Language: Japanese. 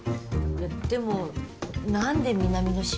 でも何で南の島？